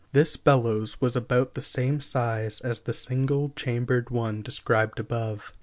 This bellows was about the same size as the single chambered one described above.